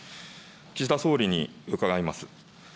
岸田総理に伺います。